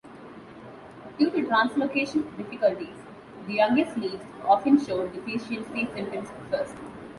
Due to translocation difficulties the youngest leaves often show deficiency symptoms first.